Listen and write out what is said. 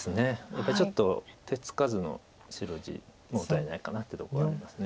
やっぱりちょっと手つかずの白地もったいないかなってとこあります。